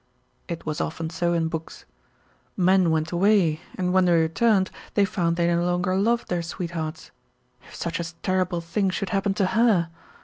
It was often so in books. Men went away, and when they returned, they found they no longer loved their sweethearts. If such a terrible thing should happen to her!